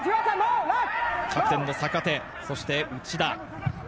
キャプテンの坂手、そして内田。